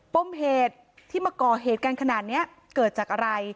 ปมเหตุที่มาก่อเหตุกันขนาดนี้เกิดจากอะไร